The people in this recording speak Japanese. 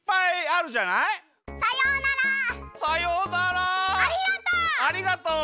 ありがとう！